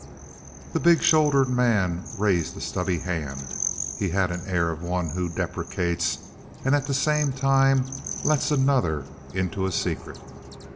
The big shouldered man raised a stubby hand. He had an air of one who deprecates, and at the same time lets another into a secret.